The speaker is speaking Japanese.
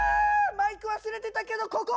マイク忘れてたけどここ！